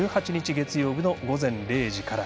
月曜日の午前０時から。